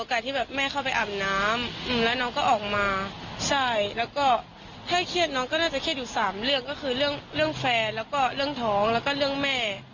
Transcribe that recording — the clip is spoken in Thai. แล้วก็เรื่องแม่